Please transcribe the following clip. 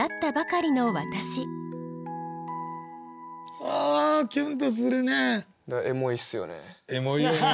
うわキュンとするね。